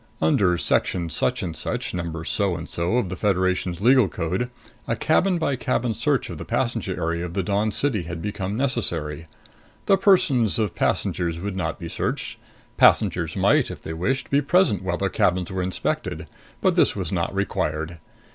Under Section such and such, Number so and so, of the Federation's Legal Code, a cabin by cabin search of the passenger area of the Dawn City had become necessary. The persons of passengers would not be searched. Passengers might, if they wished, be present while their cabins were inspected; but this was not required.